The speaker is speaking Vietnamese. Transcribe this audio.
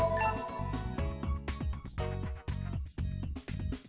được điều tra làm rõ